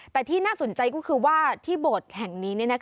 แต่ที่น่าสนใจก็คือว่าที่โบสถ์แห่งนี้